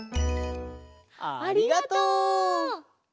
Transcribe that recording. ありがとう。